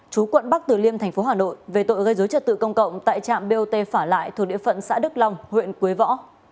chú quận bắc từ liêm thành phố hà nội về tội gây dối trật tự công cộng tại trạm bot phả lại thuộc địa phận xã đức long huyện quế võ